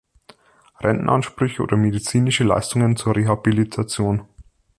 Rentenansprüche oder medizinische Leistungen zur Rehabilitation.